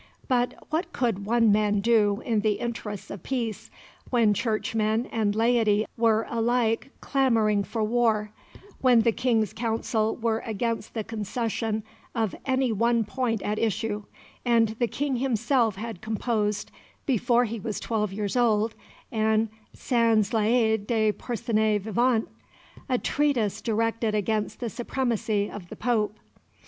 But what could one man do in the interests of peace, when Churchmen and laity were alike clamouring for war, when the King's Council were against the concession of any one point at issue, and the King himself had composed, before he was twelve years old, and "sans l'aide de personne vivant," a treatise directed against the supremacy of the Pope?